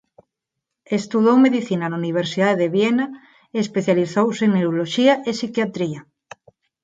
Estudou medicina na Universidade de Viena e especializouse en neuroloxía e psiquiatría.